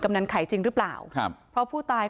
ก็เลยขับรถไปมอบตัว